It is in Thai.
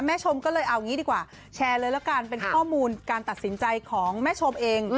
ชมก็เลยเอางี้ดีกว่าแชร์เลยละกันเป็นข้อมูลการตัดสินใจของแม่ชมเอง